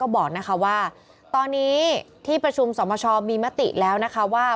บอกว่าตอนนี้ที่ประชุมสมชมีมติแล้วนะคะว่า